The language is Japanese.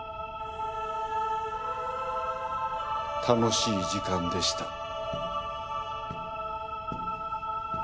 楽しい時間でした。